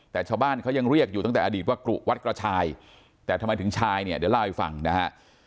แต่ชาวบ้านเขายังเรียกอยู่ตั้งแต่อดีตว่ากรุวัดกระชายแต่ทำไมถึงชายเนี่ยเดี๋ยวเล่าให้ฟังนะฮะ